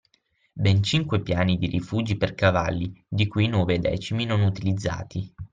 Ben cinque piani di rifugi per cavalli, di cui i nove decimi non utilizzati